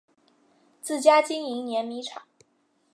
自家经营碾米厂